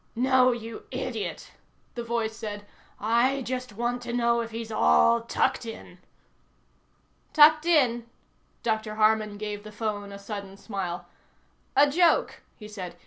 "No, you idiot," the voice said. "I just want to know if he's all tucked in." "Tucked in?" Dr. Harman gave the phone a sudden smile. "A joke," he said.